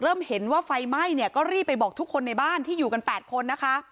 เริ่มเห็นว่าไฟไหม้เนี่ยก็รีบไปบอกทุกคนในบ้านที่อยู่กัน๘คนนะคะ